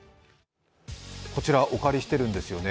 こちらお借りしているんですよね。